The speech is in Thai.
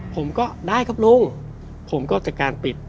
ผมก็ได้ครับลุงผมก็จัดการปิด